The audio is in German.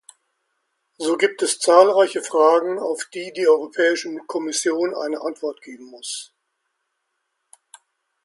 So gibt es zahlreiche Fragen, auf die die Europäische Kommission eine Antwort geben muss.